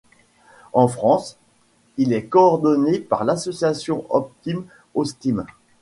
En France, il est coordonné par l'association Optim'Autisme.